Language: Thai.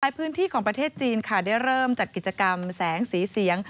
พื้นที่ของประเทศจีนค่ะได้เริ่มจัดกิจกรรมแสงสีเสียง